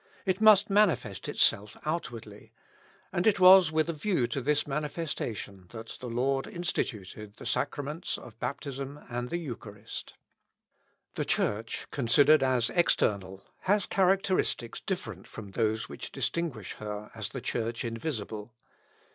It must manifest itself outwardly, and it was with a view to this manifestation that the Lord instituted the Sacraments of Baptism and the Eucharist. The Church considered as external, has characteristics different from those which distinguish her as the Church invisible.